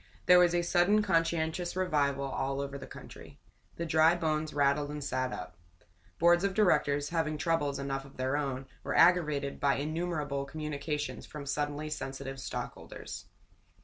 There was a sudden conscientious revival all over the country. The dry bones rattled and sat up. Boards of directors, having troubles enough of their own, were aggravated by innumerable communications from suddenly sensitive stockholders.